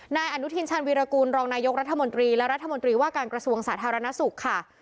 นายอนุทินชาญวีรกูลรองนายกรัฐมนตรีและรัฐมนตรีว่าการกระทรวงสาธารณสุขค่ะ